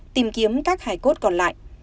tìm kiếm các hai cốt còn lại